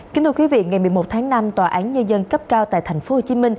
kính thưa quý vị ngày một mươi một tháng năm tòa án nhân dân cấp cao tại tp hcm